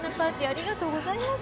ありがとうございます。